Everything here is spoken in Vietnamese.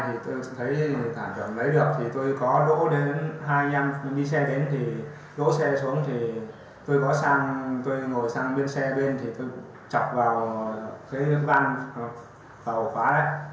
tôi thấy thả chậm lấy được thì tôi có đỗ đến hai anh em đi xe đến thì đỗ xe xuống thì tôi có sang tôi ngồi sang bên xe bên thì tôi chọc vào cái văn vào khóa đấy